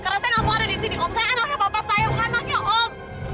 karena saya gak mau ada di sini om saya anaknya papa saya bukan anaknya om